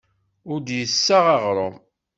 Ur d-yessaɣ aɣrum.